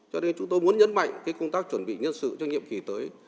cho nên chúng tôi muốn nhấn mạnh công tác chuẩn bị nhân sự cho nhiệm kỳ tới